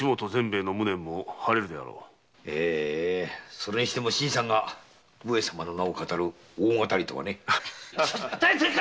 それにしても新さんが上様の名を騙る大騙りとはね。大変でえ頭！